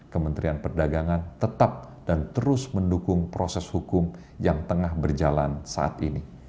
kementerian perdagangan tetap dan terus mendukung proses hukum yang tengah berjalan saat ini